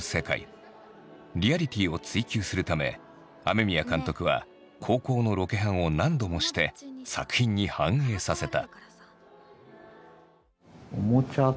リアリティーを追求するため雨宮監督は高校のロケハンを何度もして作品に反映させた。